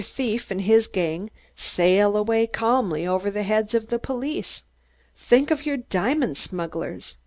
Thief and his gang sail away calmly over the heads of the police. Think of your diamond smugglers!